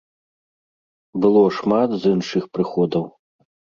Было шмат з іншых прыходаў.